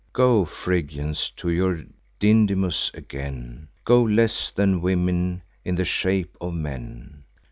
Go, Phrygians, to your Dindymus again! Go, less than women, in the shapes of men!